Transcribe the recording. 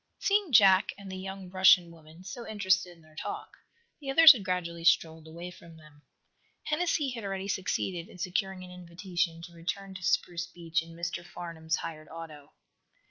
Seeing Jack and the young Russian woman so interested in their talk, the others had gradually strolled away from them. Hennessy had already succeeded in securing an invitation to return to Spruce Beach in Mr. Farnum's hired auto.